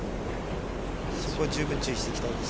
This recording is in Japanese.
そこを十分注意していきたいです。